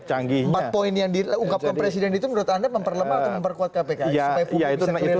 lagi poin yang diungkapkan presiden itu menurut anda memperlembabkan memperkuat kpk ya itu itu